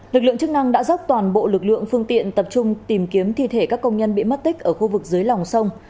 lực lượng chức năng đã dốc toàn bộ lực lượng phương tiện tập trung tìm kiếm thi thể các công nhân bị mất tích ở khu vực dưới lòng sông